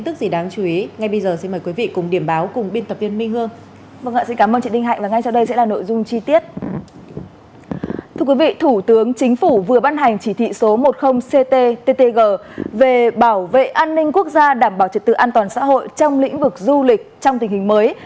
thưa quý vị thủ tướng chính phủ vừa ban hành chỉ thị số một mươi cttg về bảo vệ an ninh quốc gia đảm bảo trật tự an toàn xã hội trong lĩnh vực du lịch trong tình hình mới